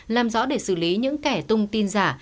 làm rõ để xử lý những kẻ tung tin giả